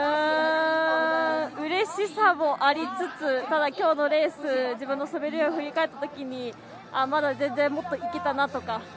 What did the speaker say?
うれしさもありつつただ、今日のレース自分の滑りを振り返ったときにまだ、全然もっと行けたなとか。